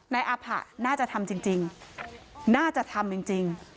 นายอาผะน่าจะทำจริงจริงน่าจะทำจริงจริง